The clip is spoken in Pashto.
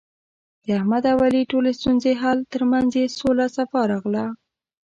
د احمد او علي ټولې ستونزې حل، ترمنځ یې سوله صفا راغله.